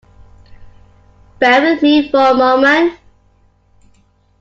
Bear with me for a moment.